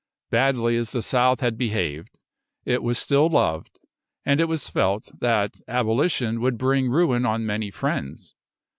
Badly as the South had behaved, it was still loved, and it was felt that Abolition would bring ruin on many friends.